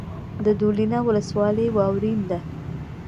د دولینه ولسوالۍ واورین ده